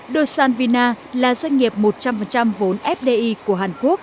đô san vina là doanh nghiệp một trăm linh vốn fdi của hàn quốc